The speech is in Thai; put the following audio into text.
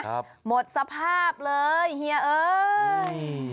ครับหมดสภาพเลยเหี้ยเอ้ย